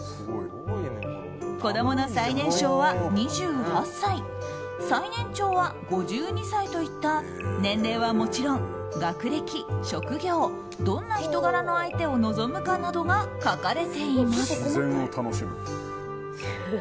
子供の最年少は２８歳最年長は５２歳といった年齢はもちろん学歴、職業、どんな人柄の相手を望むかなどが書かれています。